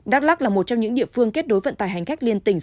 đắk lắc là một trong những địa phương kết nối vận tài hành cách liên tình